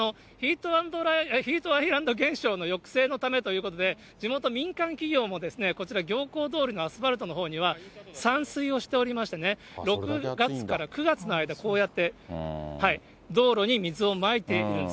ヒートアイランド現象の抑制のためということで、地元、民間企業もこちら行幸通りのあす、ふぁるとのほうには、散水をしておりましてね、６月から９月の間、こうやって道路に水をまいているんです。